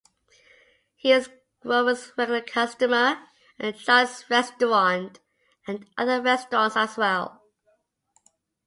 He is Grover's regular customer at Charlie's Restaurant and other restaurants as well.